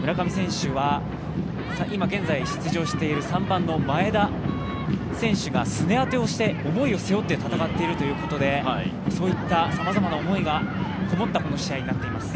村上選手は今、現在出場している３番の前田選手がすね当てをして思いを背負って戦っているということで、そういったさまざま思いがこもったこの試合となっています。